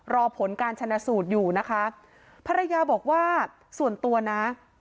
รอผลการชนะสูตรอยู่นะคะภรรยาบอกว่าส่วนตัวนะ